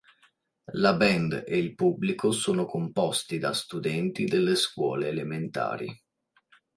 La band e il pubblico sono composti da studenti delle scuole elementari.